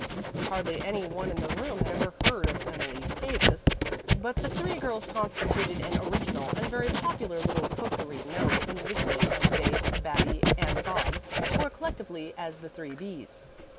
Hardly any one in the room had ever heard of Emily Davis, but the three girls constituted an original and very popular little coterie known individually as Babe, Babbie, and Bob, or collectively as "the three B's."